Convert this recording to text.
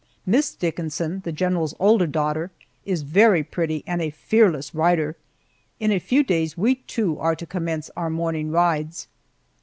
Miss Dickinson, the general's older daughter, is very pretty and a fearless rider. In a few days we two are to commence our morning rides.